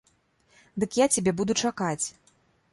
Дык я цябе буду чакаць.